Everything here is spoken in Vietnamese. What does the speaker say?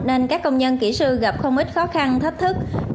nên các công nhân kỹ sư gặp không ít khó khăn thách thức